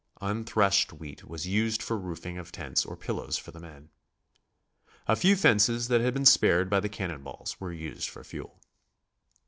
Unthreshed wheat was used for roofing of tents or pillows for the men. A few fences that had been spared by the cannon balls were used for fuel.